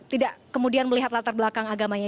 tidak kemudian melihat latar belakang agamanya